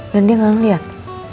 dan dia gak ngeliat